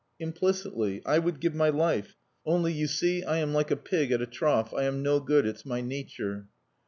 "Implicitly. I would give my life.... Only, you see, I am like a pig at a trough. I am no good. It's my nature."